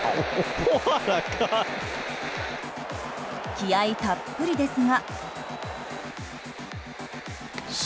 気合たっぷりですが。